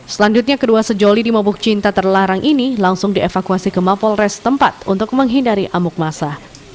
selanjutnya kedua sejoli di mobuh cinta terlarang ini langsung dievakuasi ke mapol res tempat untuk menghindari amuk masa